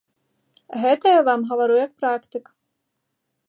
Гэта я вам гавару як практык.